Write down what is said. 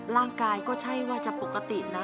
ร่างกายก็ใช่ว่าจะปกตินะ